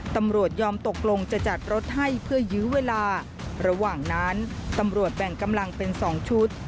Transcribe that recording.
ตำรวจยอมตกลงจะจัดรถให้เพื่อยื้อเวลาระหว่างนั้นตำรวจแบ่งกำลังเป็น๒ชุด